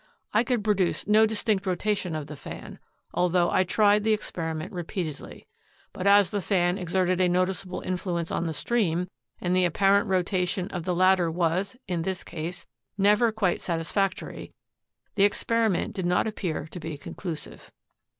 I could produce no dis tinct rotation of the fan, altho I tried the experiment repeatedly ; but as the fan exerted a noticeable influence on the stream, and the apparent rotation of the latter was, in this case, never quite satisfactory, the experiment did not appear to be conclusive.